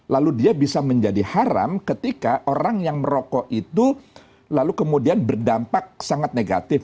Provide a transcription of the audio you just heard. lalu dia bisa menjadi haram ketika orang yang merokok itu lalu kemudian berdampak sangat negatif